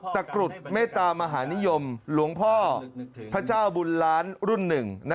กรุดเมตตามหานิยมหลวงพ่อพระเจ้าบุญล้านรุ่นหนึ่ง